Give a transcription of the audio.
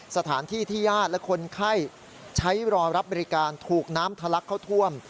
สถานที่ที่ญาติและคนไข้ใช้รอรับบริการถูกน้ำทะลักเข้าท่วม